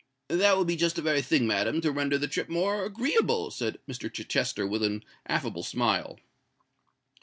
"That will be just the very thing, madam, to render the trip more agreeable," said Mr. Chichester, with an affable smile.